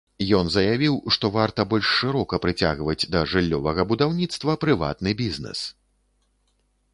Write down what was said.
Ён заявіў, што варта больш шырока прыцягваць да жыллёвага будаўніцтва прыватны бізнэс.